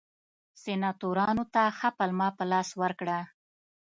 سناتورانو ته ښه پلمه په لاس ورکړه.